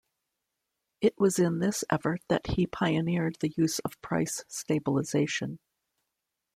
It was in this effort that he pioneered the use of price stabilization.